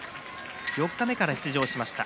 四日目から出場しました。